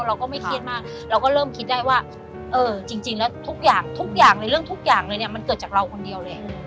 เราก็ไม่เครียดมากเราก็เริ่มคิดได้ว่าเออจริงแล้วทุกอย่างทุกอย่างเลยเรื่องทุกอย่างเลยเนี่ยมันเกิดจากเราคนเดียวเลย